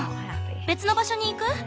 別の場所に行く？